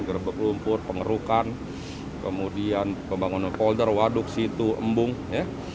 gerbek lumpur pengerukan kemudian pembangunan folder waduk situ embung ya